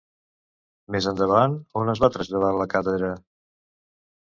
Més endavant, on es va traslladar la càtedra?